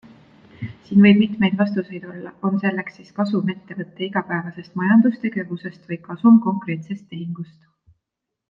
Siin võib mitmeid vastuseid olla, on selleks siis kasum ettevõtte igapäevasest majandustegevusest või kasum konkreetsest tehingust.